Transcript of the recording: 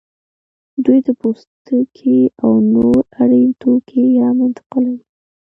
دوی د پوستکي او نور اړین توکي هم انتقالوي